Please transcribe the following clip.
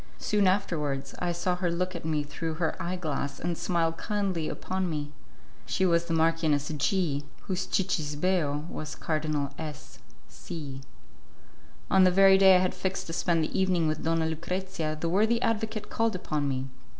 Soon afterwards I saw her look at me through her eye glass and smile kindly upon me. She was the Marchioness G , whose 'cicisbeo' was Cardinal S C . On the very day I had fixed to spend the evening with Donna Lucrezia the worthy advocate called upon me.